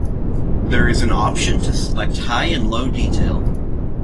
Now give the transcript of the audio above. There is an option to select high and low detail.